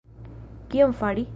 Kion fari?